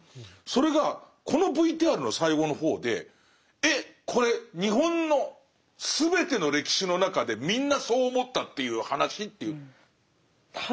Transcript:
それがこのＶＴＲの最後の方でえっこれ日本の全ての歴史の中でみんなそう思ったっていう話？という。